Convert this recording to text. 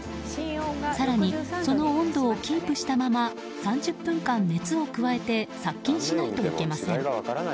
更にその温度をキープしたまま３０分間熱を加えて殺菌しないといけません。